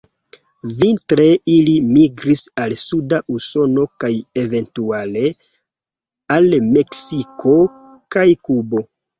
Vintre ili migris al suda Usono kaj eventuale al Meksiko kaj Kubo.